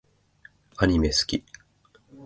アニメ好き